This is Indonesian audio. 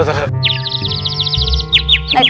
ustaz maju mundur panggung